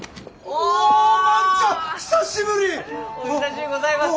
お久しゅうございます！